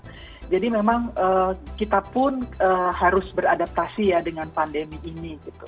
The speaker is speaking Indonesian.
ya jadi memang kita pun harus beradaptasi ya dengan pandemi ini gitu